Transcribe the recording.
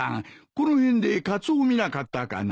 この辺でカツオを見なかったかな？